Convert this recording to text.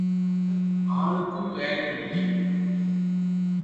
ஆளுக்கும் வேலை இல்லை!